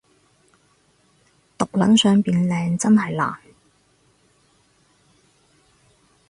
毒撚想變靚真係難